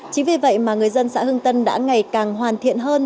chính vì vậy mà người dân xã hưng tân đã ngày càng hoàn thiện hơn